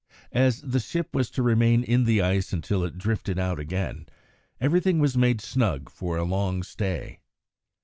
As the ship was to remain in the ice until it drifted out again, everything was made snug for a long stay.